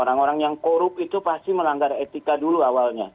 orang orang yang korup itu pasti melanggar etika dulu awalnya